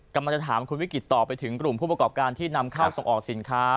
กำลังจะถามคุณวิกฤตต่อไปถึงกลุ่มผู้ประกอบการที่นำเข้าส่งออกสินค้า